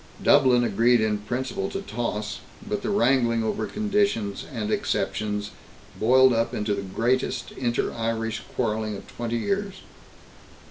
Dublin agreed in principle to toss, but the wrangling over conditions and exceptions boiled up into the greatest inter Irish quarreling of twenty years.